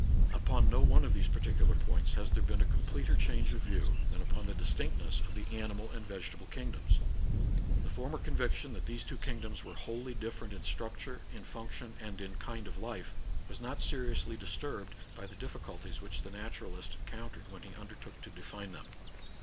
Upon no one of these particular points has there been a completer change of view than upon the distinctness of the animal and vege table kingdoms. The former conviction that these two kingdoms were wholly different in structure, in function, and in kind of life, was not seriously disturbed by the difficulties which the naturalist encountered when he undertook to define them.